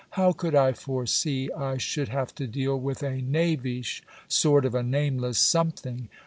How could I foresee I should have to deal with a knavish sort of a nameless something?